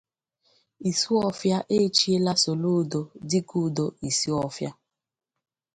Isuọfịa Echiela Soludo Dikeudo Isuọfịa